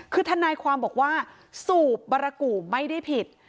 คือทนายความบอกว่าสูบบารกูไม่ได้ผิด